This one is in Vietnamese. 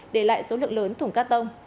để lại số lượng lớn thùng cát tông